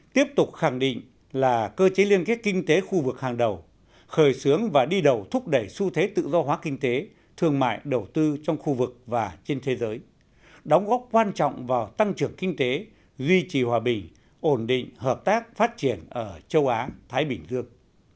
tiếp tục khẳng định là cơ chế liên kết kinh tế khu vực hàng đầu khởi xướng và đi đầu thúc đẩy xu thế tự do hóa kinh tế thương mại đầu tư trong khu vực và trên thế giới đóng góp quan trọng vào tăng trưởng kinh tế duy trì hòa bình ổn định hợp tác phát triển ở châu á thái bình dương